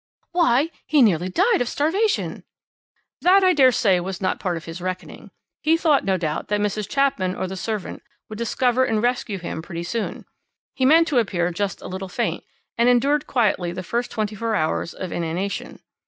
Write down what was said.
"Why! he nearly died of starvation!" "That, I dare say, was not a part of his reckoning. He thought, no doubt, that Mrs. Chapman or the servant would discover and rescue him pretty soon. He meant to appear just a little faint, and endured quietly the first twenty four hours of inanition.